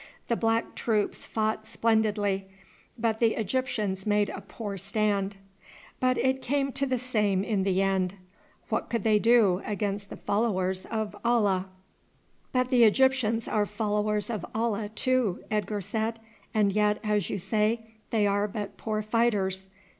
The black troops fought splendidly, but the Egyptians made a poor stand; but it came to the same in the end. What could they do against the followers of Allah!" [Illustration: THE ARMY OF HICKS PASHA ON THE MARCH.] "But the Egyptians are followers of Allah too," Edgar said, "and yet, as you say, they are but poor fighters.